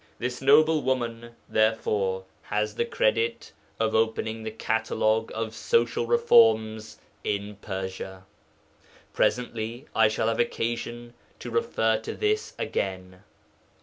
This noble woman, therefore, has the credit of opening the catalogue of social reforms in Persia. Presently I shall have occasion to refer to this again.